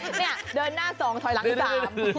เนี่ยเดินหน้าสองถอยหลังสาม